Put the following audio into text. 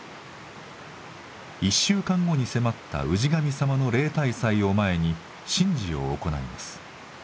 １週間後に迫った氏神様の例大祭を前に神事を行います。